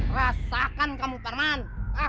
rasakan kamu parman